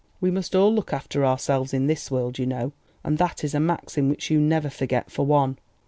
We must all look after ourselves in this world, you know; and that is a maxim which you never forget, for one.